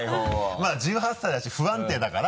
まぁ１８歳だし不安定だから。